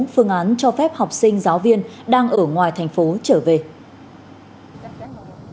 phương án cho phép học sinh giáo viên đang ở ngoài thành phố trở về